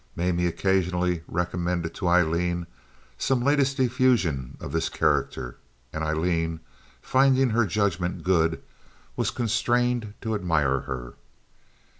Mamie occasionally recommended to Aileen some latest effusion of this character; and Aileen, finding her judgment good, was constrained to admire her.